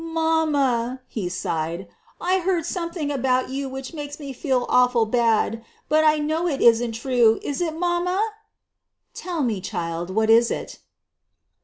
1 i Mamma, '' he sobbed, i ' 1 heard something about you which makes me feel awful bad, but I know it isn't true, is it, mamma?" "Tell me, child, what is it?"